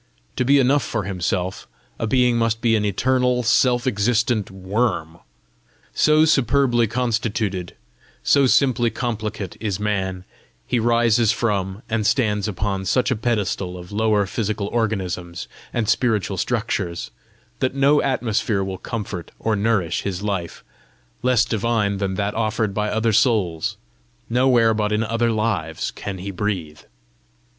To be enough for himself, a being must be an eternal, self existent worm! So superbly constituted, so simply complicate is man; he rises from and stands upon such a pedestal of lower physical organisms and spiritual structures, that no atmosphere will comfort or nourish his life, less divine than that offered by other souls; nowhere but in other lives can he breathe.